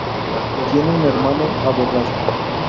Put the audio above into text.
Tiene un hermano abogado.